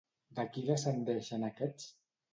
De qui descendeixen aquests?